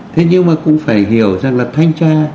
thế nhưng mà cũng phải hiểu rằng là thanh tra